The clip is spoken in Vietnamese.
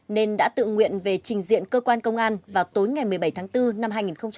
nên đã tự nguyện về trình diện cơ quan công an vào tối ngày một mươi bảy tháng bốn năm hai nghìn hai mươi